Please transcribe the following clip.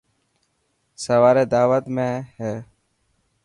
سواري داوت ۾هي.